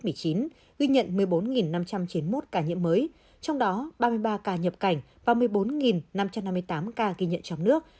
ghi nhận một mươi bốn năm trăm chín mươi một ca nhiễm mới trong đó ba mươi ba ca nhập cảnh và một mươi bốn năm trăm năm mươi tám ca ghi nhận trong nước